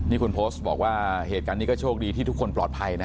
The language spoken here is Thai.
นี่คุณโพสต์บอกว่าเหตุการณ์นี้ก็โชคดีที่ทุกคนปลอดภัยนะ